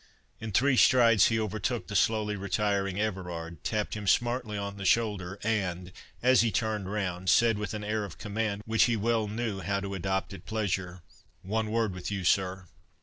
In three strides he overtook the slowly retiring Everard, tapped him smartly on the shoulder, and, as he turned round, said, with an air of command, which he well knew how to adopt at pleasure, "One word with you, sir."